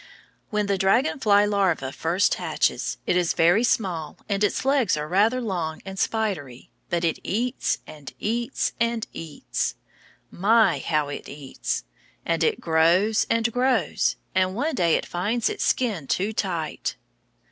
When the dragon fly larva first hatches it is very small and its legs are rather long and spidery, but it eats and eats and eats, my, how it eats! And it grows and grows, and one day it finds its skin too tight.